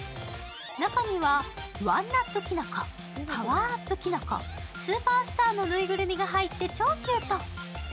中には、１ＵＰキノコ、パワーアップキノコスーパースターのぬいぐるみが入って超キュート。